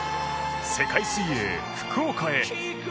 世界水泳福岡へ